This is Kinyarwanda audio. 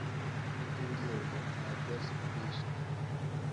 Izi ngingo ntabwo zigurishwa.